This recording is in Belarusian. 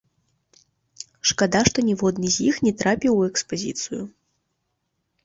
Шкада, што ніводны з іх не трапіў у экспазіцыю.